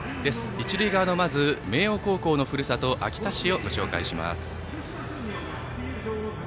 一塁側の明桜高校のふるさと秋田市をご紹介します。